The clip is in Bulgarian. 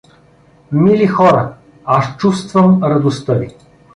Мили хора, аз чувствувам радостта ви.